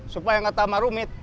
supaya gak tamar rumit